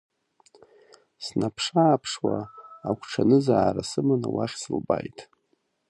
Снаԥшааԥшуа, агәҽанызаара сыманы уахь сылбааит.